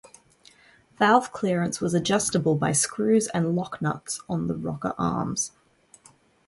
Valve clearance was adjustable by screws and locknuts on the rocker arms.